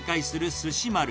すし丸。